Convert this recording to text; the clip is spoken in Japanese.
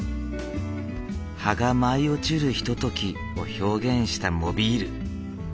葉が舞い落ちるひとときを表現したモビール。